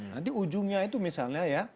nanti ujungnya itu misalnya ya